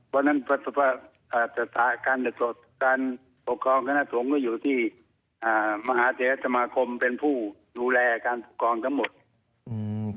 เพราะฉะนั้นการปกครองคณะสงฆ์ก็อยู่ที่อ่ามหาเทศสมาคมเป็นผู้ดูแลการปกครองทั้งหมดอืม